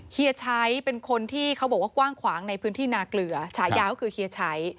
เฮียชัยเป็นคนที่เขาบอกว่ากว้างขวางในพื้นที่นาเกลือฉายาก็คือเฮียชัย